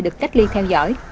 được cách ly theo dõi